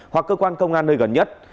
hoặc cơ quan công an nơi gần nhất